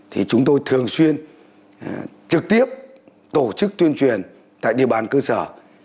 thì chúng tôi thường xuyên trực tiếp tổ chức tuyên truyền tại địa bàn cơ sở